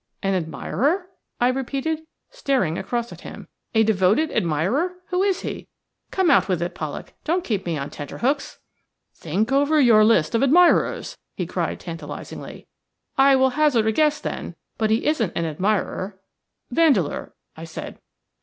"An admirer!" I repeated, staring across at him. "A devoted admirer! Who is he? Come, out with it, Pollak; don't keep me on tenter hooks." "Think over your list of admirers," he cried, tantalizingly. "I will hazard a guess, then; but he isn't an admirer. Vandeleur," I said.